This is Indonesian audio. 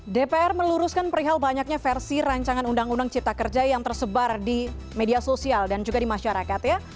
dpr meluruskan perihal banyaknya versi rancangan undang undang cipta kerja yang tersebar di media sosial dan juga di masyarakat ya